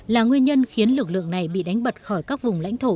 là nguyên nhân khiến lực lượng này bị đánh bật khỏi các vùng lãnh thổ